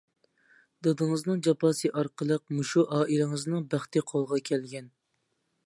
دادىڭىزنىڭ جاپاسى ئارقىلىق مۇشۇ ئائىلىڭىزنىڭ بەختى قولغا كەلگەن.